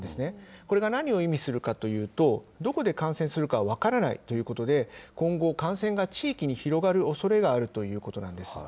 これが何を意味するかというと、どこで感染するか分からないということで、今後、感染が地域に広がるおそれがあるということなんです。